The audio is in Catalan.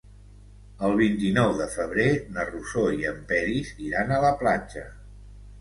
El vint-i-nou de febrer na Rosó i en Peris iran a la platja.